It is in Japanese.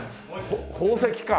宝石か。